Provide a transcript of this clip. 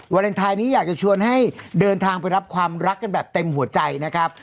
เลนไทยนี้อยากจะชวนให้เดินทางไปรับความรักกันแบบเต็มหัวใจนะครับ